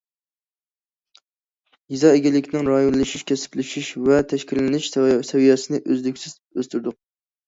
يېزا ئىگىلىكىنىڭ رايونلىشىش، كەسىپلىشىش ۋە تەشكىللىنىش سەۋىيەسىنى ئۈزلۈكسىز ئۆستۈردۇق.